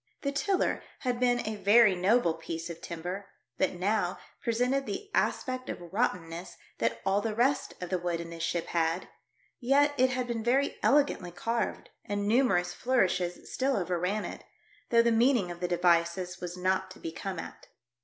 The tiller had been a very noble piece of timber, but now presented the aspect of rottenness that all the rest of the wood in the ship had, yet it had been very elegantly carved, and numerous flourishes still overran it, though the meaning of the devices was not to be come at.